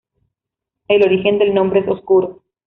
El origen del nombre es oscuro.